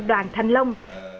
đoàn thanh long